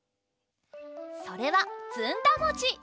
それはずんだもち！